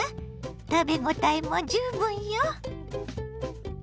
食べ応えも十分よ！